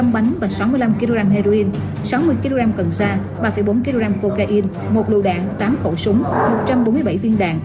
một trăm linh bánh và sáu mươi năm kg heroin sáu mươi kg cần sa ba bốn kg cocaine một lưu đạn tám khẩu súng một trăm bốn mươi bảy viên đạn